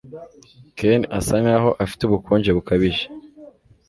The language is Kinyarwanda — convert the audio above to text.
Ken asa nkaho afite ubukonje bukabije